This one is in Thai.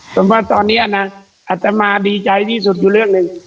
เพราะว่าตอนเนี้ยน่ะอาจจะมาดีใจที่สุดอยู่เรื่องหนึ่ง